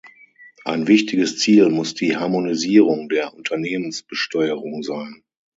Ein wichtiges Ziel muss die Harmonisierung der Unternehmensbesteuerung sein.